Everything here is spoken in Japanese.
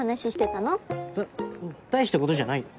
た大したことじゃないよ。